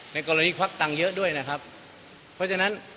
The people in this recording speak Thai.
ในกรณีควักตังค์เยอะด้วยนะครับเพราะฉะนั้น